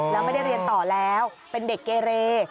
แล้วไม่ได้เรียนต่อแล้วเป็นเด็กเกเร